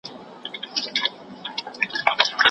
په لړمانو په مارانو کي به شپې تېروي